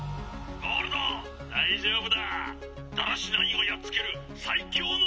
ゴールドだいじょうぶ？